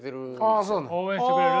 応援してくれる？